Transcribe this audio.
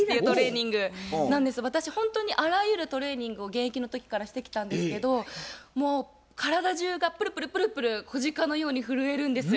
私ほんとにあらゆるトレーニングを現役の時からしてきたんですけどもう体中がプルプルプルプル子鹿のように震えるんですよ。